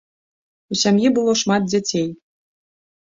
У сям'і было шмат дзяцей.